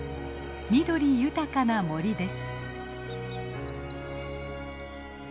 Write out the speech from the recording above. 緑豊かな森です。